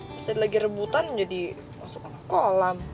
pas tadi lagi rebutan jadi masuk ke kolam